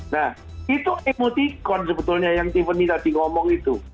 nah itu emoticon sebetulnya yang tiffany tadi ngomong itu